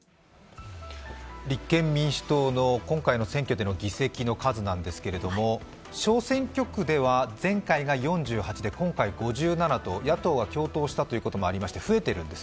立憲民主党の今回の選挙での議席の数なんですけれども小選挙区では前回が４８で、今回５７と野党は共闘したということもあり増えているんです。